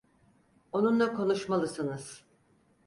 Onunla konuşmalısınız.